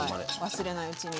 忘れないうちに。